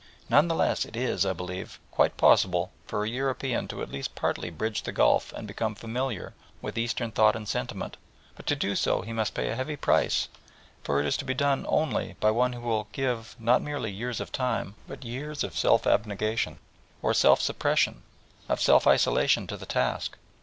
None the less, it is, I believe, quite possible for a European to at least partly bridge the gulf and become familiar with Eastern thought and sentiment, but to do so he must pay a heavy price, for it is to be done only by one who will give not merely years of time, but years of self abnegation, of self suppression, of self isolation to the task.